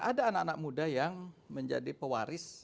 ada anak anak muda yang menjadi pewaris